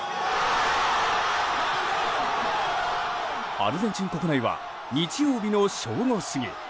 アルゼンチン国内は日曜日の正午過ぎ。